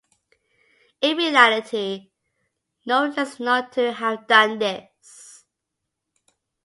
In reality, no one is known to have done this.